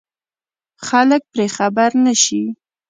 خلک پرې خبر نه شي.